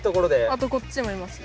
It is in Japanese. あとこっちにもいますよ。